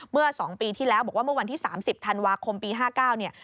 เมื่อ๒ปีที่แล้วบอกว่าเมื่อวันที่๓๐ธันวาคมปี๕๙เนี่ย